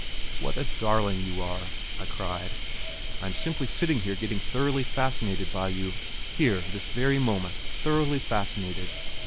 "What a darling you are," I cried. "I am simply sitting here getting thoroughly fascinated by you here this very moment thoroughly fascinated....